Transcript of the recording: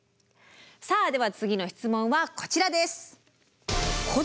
さあでは次の質問はこちらです。